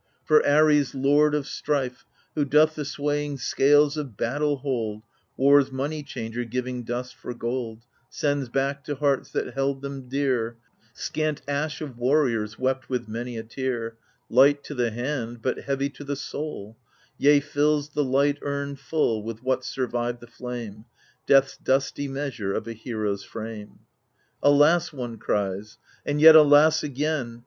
For Ares, lord of strife. Who doth the swaying scales of battle hold. War's money changer, giving dust for gold, Sends back, to hearts that held them dear, Scant ash of warriors, wept with many a tear, Light to the hand, but heavy to the soul ; Yea, fills the light urn full With what survived the flame — Death's dusty measure of a hero's frame 1 Alas / one cries, and yet alas again